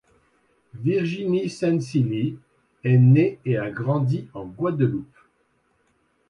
Virginie Sainsily est née et a grandi en Guadeloupe.